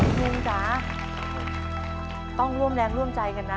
คุณลุงจ๋าต้องร่วมแรงร่วมใจกันนะ